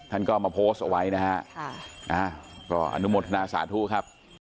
ท่านก็เอามาโพสต์เอาไว้นะฮะก็อนุโมทนาสาธุครับ